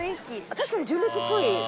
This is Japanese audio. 確かに純烈っぽい。